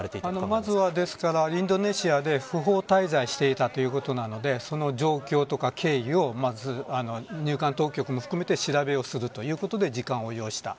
まずは、インドネシアで不法滞在していたということなのでその状況とか経緯をまず入管当局も含めて調べを進めるということで時間を要した。